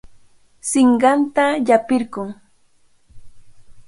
Sinqanta llapirqun.